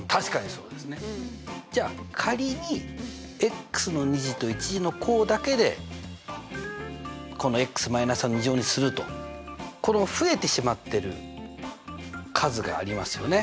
じゃあ仮にの２次と１次の項だけでここの増えてしまってる数がありますよね。